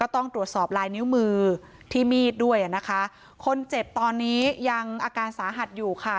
ต้องตรวจสอบลายนิ้วมือที่มีดด้วยอ่ะนะคะคนเจ็บตอนนี้ยังอาการสาหัสอยู่ค่ะ